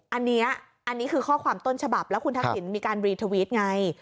อันนี้อันนี้คือข้อความต้นฉบับแล้วคุณทักษิณมีการรีทวิตไง